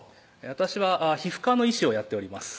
私は皮膚科の医師をやっております